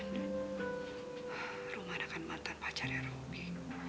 tapi sekarang rumana udah bersama rahmadi